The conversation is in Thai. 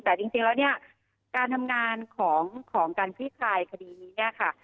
แต่จริงจริงแล้วเนี่ยการทำงานของการพิกายคดีนี้แหละค่ะ